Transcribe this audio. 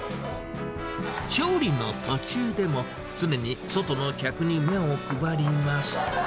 調理の途中でも、常に外の客に目を配ります。